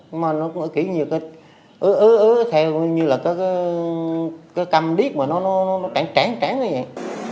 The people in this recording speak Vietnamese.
nhưng mà nó cũng ớ ớ ớ theo như là cái cầm điếc mà nó trán trán như vậy